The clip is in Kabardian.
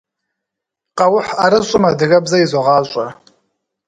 Къэухь ӏэрыщӏым адыгэбзэ изогъащӏэ.